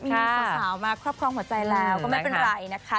มีสาวมาครอบครองหัวใจแล้วก็ไม่เป็นไรนะคะ